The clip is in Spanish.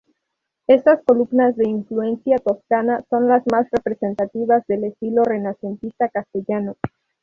Estas columnas de influencia toscana son las más representativas del estilo renacentista castellano.